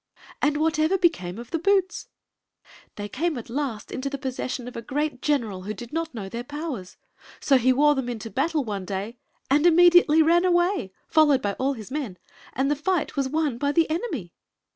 "And whatever became of the boots ?"They came at last into the possession of a great general who did not know their powers. So he wore them into battle one day, and immediately ran away, followed by all his men, and the fight was won by the enemy."